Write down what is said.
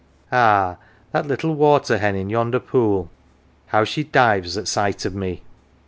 Ah ! that little water hen in yonder pool, how she dives at sight of me